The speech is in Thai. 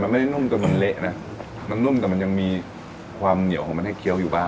มันไม่ได้นุ่มจนมันเละนะมันนุ่มแต่มันยังมีความเหนียวของมันให้เคี้ยวอยู่บ้าง